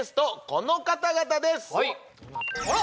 この方々です・あら？